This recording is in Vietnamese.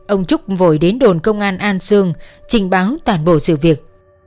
ông trúc vội đến đồn công an an sương trình báo toàn bộ sự việc